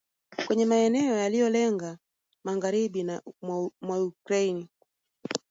kwenye maeneo yaliyolenga magharibi mwa Ukraine